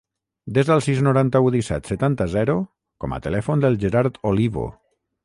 Desa el sis, noranta-u, disset, setanta, zero com a telèfon del Gerard Olivo.